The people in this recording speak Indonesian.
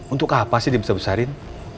untuk apa sih dibesar besarin